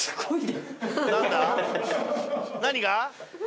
何が？